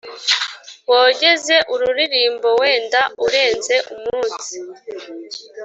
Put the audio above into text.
Wogeze ururirimbo Wenda urenze umunsi